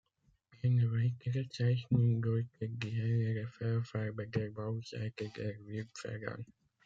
Eine weitere Zeichnung deutet die hellere Fellfarbe der Bauchseite der Wildpferde an.